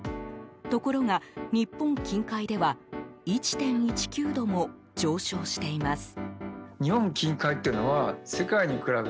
ところが、日本近海では１．１９度も上昇しています。